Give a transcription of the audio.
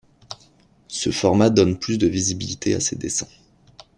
Ce format donne plus de visibilité à ses dessins.